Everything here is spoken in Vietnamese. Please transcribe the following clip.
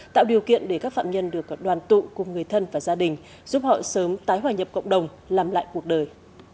tạo điều kiện để các phạm nhân được đoàn tụ cùng người thân và gia đình giúp họ sớm tái hòa nhập cộng đồng làm lại cuộc đời